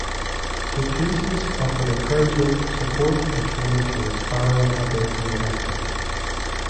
Tootoosis offered encouragement, support and training to aspiring Aboriginal actors.